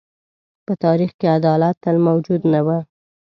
په تاریخ کې عدالت تل موجود نه و.